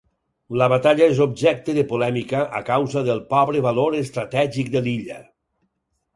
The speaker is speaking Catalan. La batalla és objecte de polèmica a causa del pobre valor estratègic de l'illa.